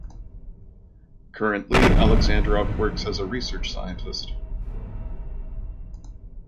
Currently Aleksandrov works as a research scientist.